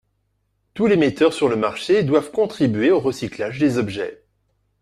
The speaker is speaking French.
Tous les metteurs sur le marché doivent contribuer au recyclage des objets.